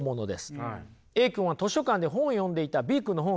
Ａ君は図書館で本を読んでいたＢ君の本を奪います。